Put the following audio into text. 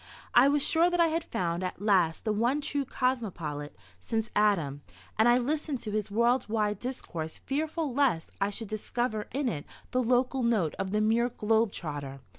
I was sure that I had found at last the one true cosmopolite since Adam, and I listened to his worldwide discourse fearful lest I should discover in it the local note of the mere globe trotter.